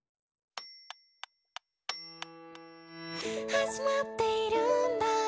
「始まっているんだ